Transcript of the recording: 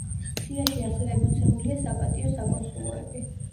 სიაში ასევე მოცემულია საპატიო საკონსულოები.